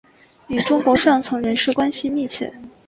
与中国上层人士关系密切。